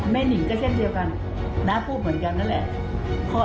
หนิงก็เช่นเดียวกันน้าพูดเหมือนกันนั่นแหละ